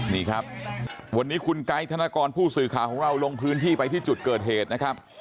นี่ครับวันนี้คุณไกด์ธนกรผู้สื่อข่าวของเราลงพื้นที่ไปที่จุดเกิดเหตุนะครับ